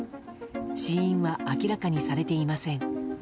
死因は明らかにされていません。